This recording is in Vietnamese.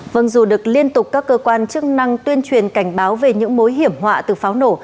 vâng dù được liên tục các cơ quan chức năng tuyên truyền cảnh báo về những mối hiểm họa từ pháo nổ